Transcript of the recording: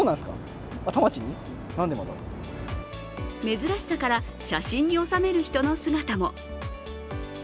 珍しさから写真に収める人の姿も。